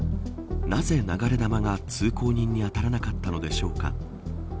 なぜ流れ弾が通行人に当たらなかったのでしょうか。